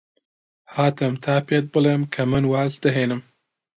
هاتم تا پێت بڵێم کە من واز دەهێنم.